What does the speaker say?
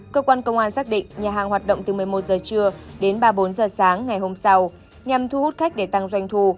cơ quan công an xác định nhà hàng hoạt động từ một mươi một giờ trưa đến ba mươi bốn h sáng ngày hôm sau nhằm thu hút khách để tăng doanh thu